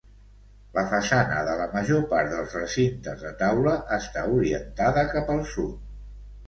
La façana de la major part dels recintes de taula està orientada cap al sud.